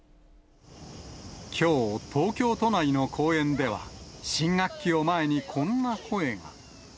きょう、東京都内の公園では、新学期を前に、こんな声が。